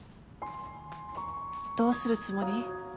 どうするつもり？